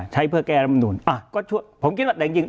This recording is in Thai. ใช้เพื่อแกลมหนูนอะก็ช่วยผมคิดว่าแต่จริงจริง